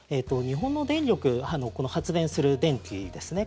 日本の電力発電する電気ですね。